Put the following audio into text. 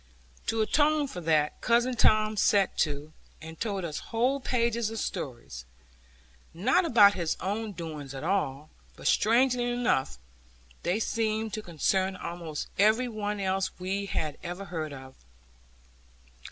To atone for that, cousin Tom set to, and told us whole pages of stories, not about his own doings at all, but strangely enough they seemed to concern almost every one else we had ever heard of.